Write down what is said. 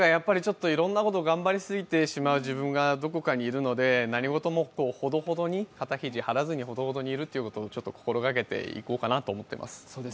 いろんなこと、頑張りすぎてしまう自分がどこかにいるので何事も肩肘張らずにほどほどにいることをちょっと心掛けていこうかなと思ってます。